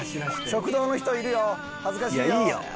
食堂の人いるよ。恥ずかしいよ。